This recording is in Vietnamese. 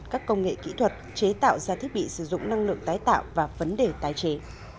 các công nghệ kỹ thuật chế tạo ra thiết bị sử dụng năng lượng tái tạo và vấn đề tái chế